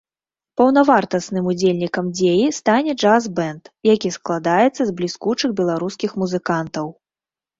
Паўнавартасным удзельнікам дзеі стане джаз-бэнд, які складаецца з бліскучых беларускіх музыкантаў.